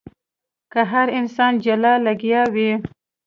که هر انسان جلا لګيا وي.